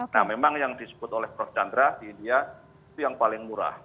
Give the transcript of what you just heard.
nah memang yang disebut oleh prof chandra di india itu yang paling murah